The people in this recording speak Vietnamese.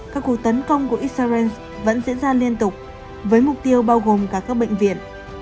các cuộc tấn công của israel vẫn diễn ra liên tục với mục tiêu bao gồm cả các bệnh viện